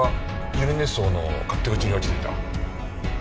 百合根荘の勝手口に落ちていた。